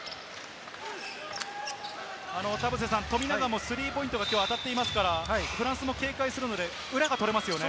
田臥さん、富永もスリーポイント、きょう当たっていますから、フランスも警戒するので、裏が取れますよね。